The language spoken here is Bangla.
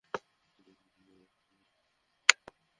তুমি বেরিয়ে পড়লে কেন?